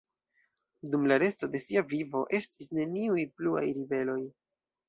Dum la resto de sia vivo estis neniuj pluaj ribeloj.